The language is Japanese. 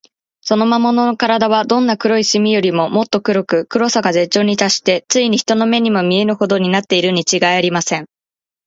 その魔物のからだは、どんな濃い墨よりも、もっと黒く、黒さが絶頂にたっして、ついに人の目にも見えぬほどになっているのにちがいありません。